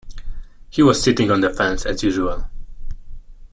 He was sitting on the fence, as usual.